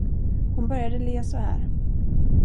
Hon började le så här.